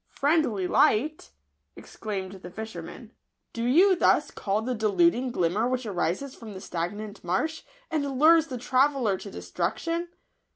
" Friendly light !" exclaimed the fisherman ;" do you thus call the deluding glimmer which arises from the stagnant marsh, and lures the traveller to destruction